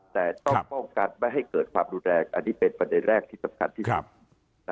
แต่ต้องป้องกันไม่ให้เกิดความรุนแรงอันนี้เป็นประเด็นแรกที่สำคัญที่สุด